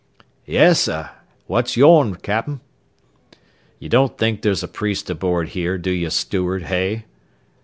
"Yessah. What's yourn, cap'n?" "You don't think there's a priest aboard here, do you, steward, hey?"